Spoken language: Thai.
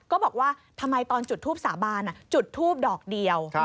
ก็บอกว่าทำไมตอนจุดทูปสาบานจุดทูบดอกเดียว